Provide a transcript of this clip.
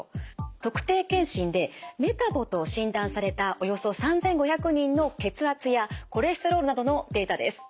特定健診でメタボと診断されたおよそ３，５００人の血圧やコレステロールなどのデータです。